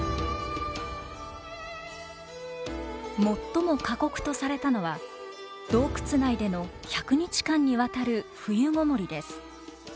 最も過酷とされたのは洞窟内での１００日間にわたる冬籠もりです。